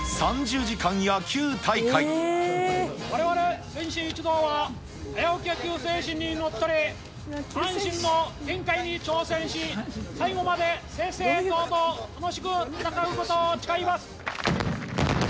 われわれ選手一同は、早起き野球精神にのっとり、下半身の限界に挑戦し、最後まで正々堂々楽しく戦うことを誓います。